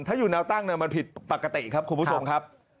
ถ้าอยู่แนวตั้งมันผิดปกติครับคุณผู้ชมครับ